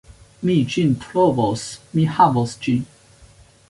Mi ĝin trovos, mi havos ĝin.